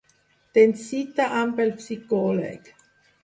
Tens cita amb el psicòleg.